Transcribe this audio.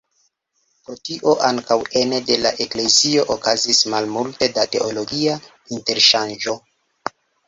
Pro tio ankaŭ ene de la eklezio okazis malmulte da teologia interŝanĝo.